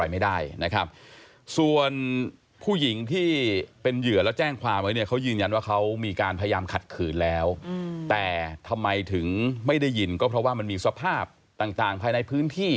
ไม่ได้ยินก็เพราะว่ามันมีสภาพต่างภายในพื้นที่